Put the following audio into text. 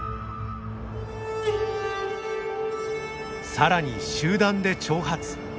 更に集団で挑発。